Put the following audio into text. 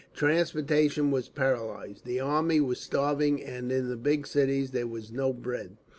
Transportation was paralysed; the army was starving and in the big cities there was no bread.